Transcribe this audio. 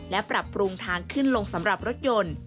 และปรับปรุงทางขึ้นลงสำหรับรถยนต์